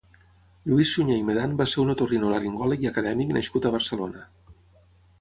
Lluís Suñé i Medan va ser un otorinolaringòleg i acadèmic nascut a Barcelona.